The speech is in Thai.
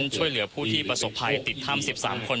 ช่วยเหลือผู้ที่ประสบภัยติดทำสิบสามคน